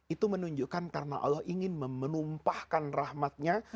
itu menunjukkan karena allah ingin menumpahkan rahmatnya